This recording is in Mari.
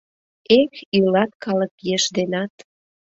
Эх, илат калык еш денат